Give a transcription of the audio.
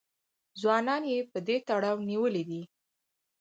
ځوانان یې په دې تړاو نیولي دي